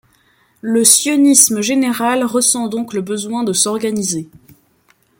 Le sionisme général ressent donc le besoin de s’organiser.